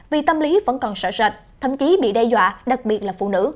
vì tâm lý vẫn còn sợ sạch thậm chí bị đe dọa đặc biệt là phụ nữ